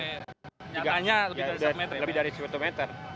tindakannya lebih dari satu meter ya